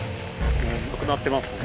なくなってますね。